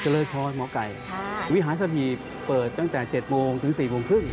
เจริญพร้อมหมอไก่วิหารสัตตาหีบเปิดตั้งแต่๗โมงถึง๔โมงครึ่ง